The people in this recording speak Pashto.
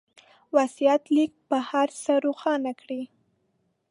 وصيت ليک به هر څه روښانه کړي.